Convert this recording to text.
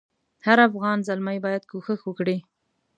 هر افغان زلمی باید کوښښ وکړي.